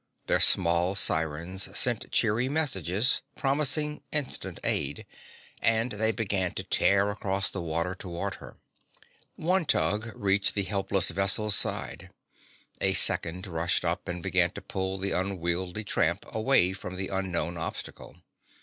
Their small sirens sent cheery messages promising instant aid, and they began to tear across the water toward her. One tug reached the helpless vessel's side. A second rushed up and began to pull the unwieldy tramp away from the unknown obstacle.